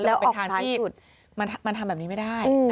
แล้วเป็นทางที่มันทำแบบนี้ไม่ได้